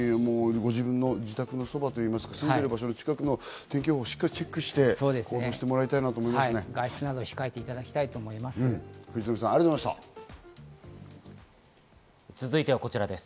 ご自分の自宅のそばといいますか、住んでる場所の近くの天気予報をしっかりチェックして行動してもらいたいと思います。